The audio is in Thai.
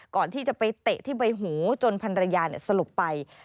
ก่อนที่จะไปเตะที่ใบหูจนพันรยาสลบไป